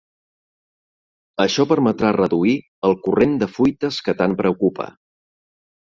Això permetrà reduir el corrent de fuites que tant preocupa.